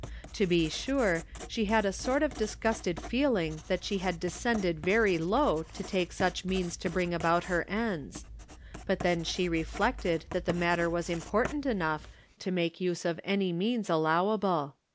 To be sure, she had a sort of disgusted feeling that she had descended very low to take such means to bring about her ends ; but then she re flected that the matter was important enough to make use of any means allowable.